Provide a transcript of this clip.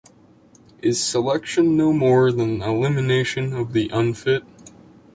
Is selection no more than the elimination of the unfit?